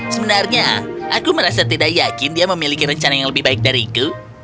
sebenarnya aku merasa tidak yakin dia memiliki rencana yang lebih baik dariku